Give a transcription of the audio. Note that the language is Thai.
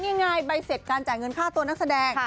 นี่ไงใบเสร็จการจ่ายเงินค่าตัวนักแสดง